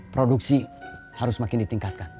produksi harus makin ditingkatkan